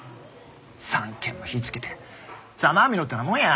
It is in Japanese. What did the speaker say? ３軒も火つけてざまあみろってなもんや。